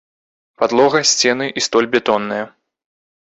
Падлога, сцены і столь бетонныя.